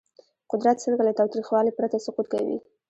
قدرت څنګه له تاوتریخوالي پرته سقوط کوي؟